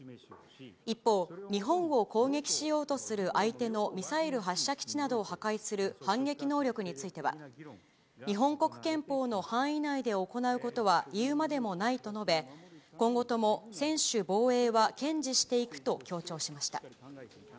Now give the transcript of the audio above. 一方、日本を攻撃しようとする相手のミサイル発射基地などを破壊する反撃能力については、日本国憲法の範囲内で行うことは言うまでもないと述べ、今後とも専守防衛は堅持していくと強調しました。